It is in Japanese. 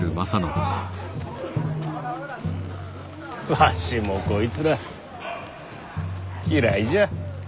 わしもこいつら嫌いじゃ。